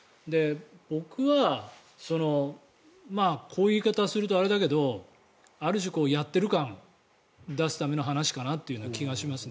僕はこういう言い方をするとあれだけどある種、やってる感を出すための話かなという気がします。